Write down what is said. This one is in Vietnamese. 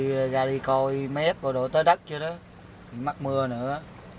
rồi ra đi coi mép đổ tới đất cho nó mắc mưa nữa